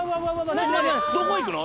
どこ行くの？